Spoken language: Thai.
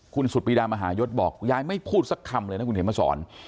คุณสุดปีดามหายศบอกยายไม่พูดสักคำเลยนะคุณเห็นมาสอน